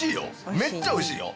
めっちゃおいしいよ。